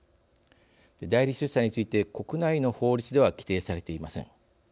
代理出産について国内の法律では規定されていません。